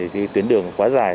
thì tuyến đường quá dài